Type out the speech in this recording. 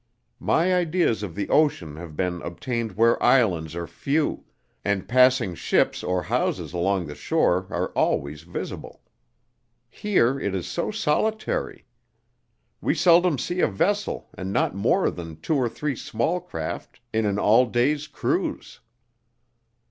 My ideas of the ocean have been obtained where islands are few, and passing ships or houses along shore are always visible. Here it is so solitary. We seldom see a vessel and not more than two or three small craft in an all day's cruise."